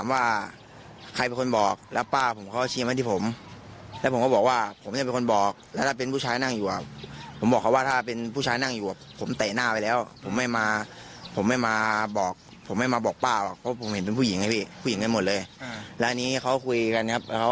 ว่าใครเป็นคนบอกแล้วป้าผมเขาชี้มาที่ผมแล้วผมก็บอกว่าผมจะเป็นคนบอกแล้วถ้าเป็นผู้ชายนั่งอยู่อ่ะผมบอกเขาว่าถ้าเป็นผู้ชายนั่งอยู่อ่ะผมเตะหน้าไปแล้วผมไม่มาผมไม่มาบอกผมไม่มาบอกป้าหรอกเพราะผมเห็นเป็นผู้หญิงไงพี่ผู้หญิงกันหมดเลยแล้วอันนี้เขาคุยกันครับ